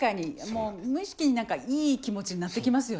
もう無意識に何かいい気持ちになってきますよね。